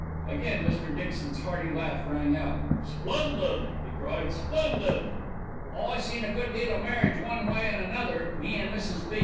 Again Mr. Dixon's hearty laugh rang out. "Splendid!" he cried. "Splendid!" "I seen a good deal o' marriage one way an' another. Me an' Mrs. B.